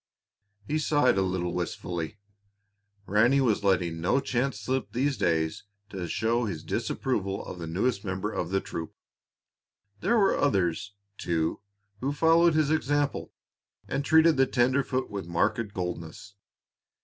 He sighed a little wistfully. Ranny was letting no chance slip these days to show his disapproval of the newest member of the troop. There were others, too, who followed his example and treated the tenderfoot with marked coldness.